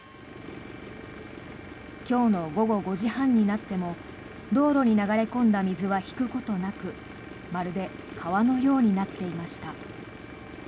今日の午後５時半になっても道路に流れ込んだ水は引くことなくまるで川のようになっていました。